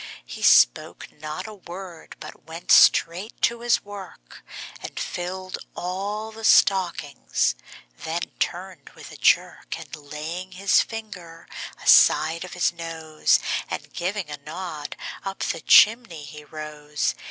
He spoke not a word, but went straight to his work, And filled all the stockings; then turned with a jerk, And laying his finger aside of his nose, And giving a nod, up the chimney he rose.